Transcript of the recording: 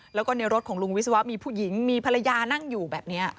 แล้วก็ในรถของลุงวิศวะมีผู้หญิงมีภรรยานั่งอยู่แบบนี้